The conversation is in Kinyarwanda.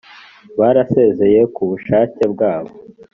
barasezeye ku bushake bwabo